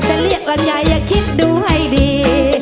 แต่เรียกแหลมใหญ่คิดดูให้ดี